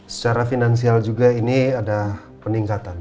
secara finansial juga ini ada peningkatan